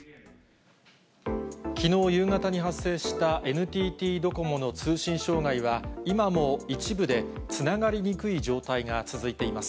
きのう夕方に発生した、ＮＴＴドコモの通信障害は、今も一部でつながりにくい状態が続いています。